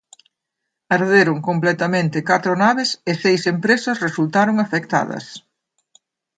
Arderon completamente catro naves e seis empresas resultaron afectadas.